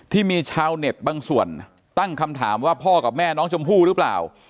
ที่มีชาวเน็ตบางส่วนตั้งคำถามว่าพ่อกับแม่น้องชมพู่หรือเปล่า